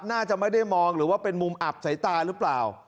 น่าจะไม่ได้มองหรือว่าเป็นมุมอับสายตาหรือเปล่า